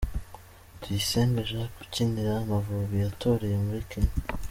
Tuyisenge Jacques ukinira Amavubi yatoreye muri Kenya.